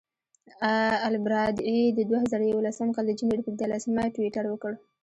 البرادعي د دوه زره یولسم کال د جنورۍ پر دیارلسمه ټویټر وکړ.